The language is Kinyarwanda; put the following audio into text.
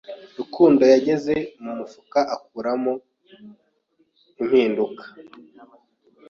Rukundo yageze mu mufuka akuramo impinduka.